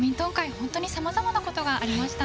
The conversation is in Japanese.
本当に様々なことがありました。